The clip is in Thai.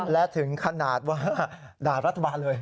และถึงขนาดว่าด่ารัฐบาลเลย